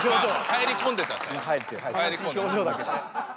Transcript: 入り込んでたんだ。